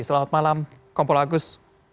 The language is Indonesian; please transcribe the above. selamat malam kompol agus